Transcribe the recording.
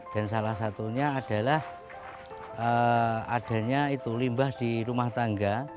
dan salah satunya adalah adanya itu limbah di rumah tangga